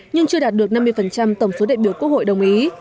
nhưng chưa đạt được năm mươi tổng số đại biểu quốc hội đồng ý